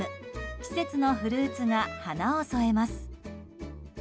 季節のフルーツが華を添えます。